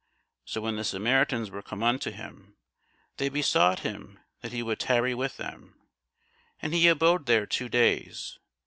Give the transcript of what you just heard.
So when the Samaritans were come unto him, they besought him that he would tarry with them: and he abode there two days.